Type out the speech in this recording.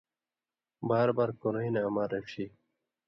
بار بار کُرویں نہ اما رڇھی۔